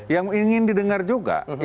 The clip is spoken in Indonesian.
yang ingin didengar juga